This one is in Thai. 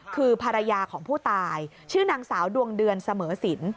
คือภรรยาของผู้ตายชื่อนางสาวดวงเดือนเสมอสิน